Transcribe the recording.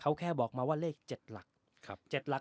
เขาแค่บอกมาว่าเลข๗หลัก